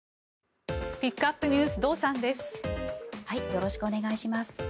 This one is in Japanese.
よろしくお願いします。